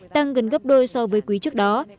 tăng gần gấp đôi so với quý trước đó